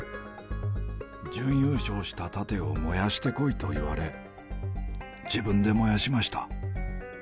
準優勝した盾を燃やしてこいと言われ、自分で燃やしました。